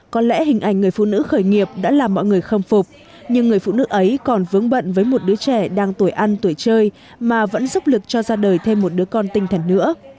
có lẽ hình ảnh người phụ nữ khởi nghiệp đã làm mọi người khâm phục nhưng người phụ nữ ấy còn vướng bận với một đứa trẻ đang tuổi ăn tuổi chơi mà vẫn dốc lực cho ra đời thêm một đứa con tinh thần nữa